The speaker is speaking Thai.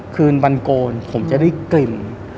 คืนวันโกนผมจะได้กลิ่น